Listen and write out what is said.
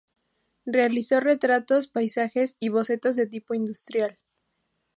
Realizó retratos, paisajes y bocetos de tipo industrial.